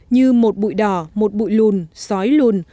như một bụi đỏ một bụi lùn sói lùn